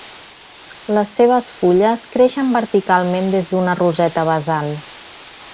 Les seves fulles creixen verticalment des d'una roseta basal.